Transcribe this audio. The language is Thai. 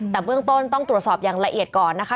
แต่เบื้องต้นต้องตรวจสอบอย่างละเอียดก่อนนะคะ